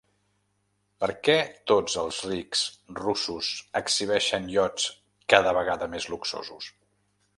Per què tots els rics russos exhibeixen iots cada vegada més luxosos?